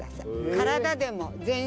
体でも全身。